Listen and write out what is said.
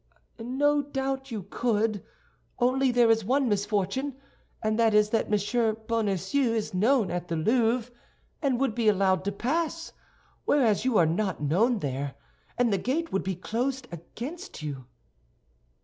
"No doubt you could, only there is one misfortune, and that is that Monsieur Bonacieux is known at the Louvre, and would be allowed to pass; whereas you are not known there, and the gate would be closed against you."